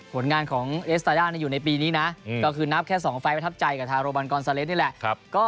ผลงานของเอสตราด้าอยู่ในปีนี้นับ๒รอบไปทับใจของโรมันกอร์ใสเลส